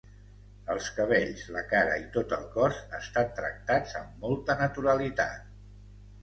Els cabells, la cara i tot el cos estan tractats amb molta naturalitat.